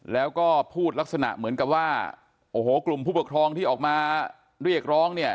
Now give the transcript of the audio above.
แล้วก็พูดลักษณะเหมือนกับว่าโอ้โหกลุ่มผู้ปกครองที่ออกมาเรียกร้องเนี่ย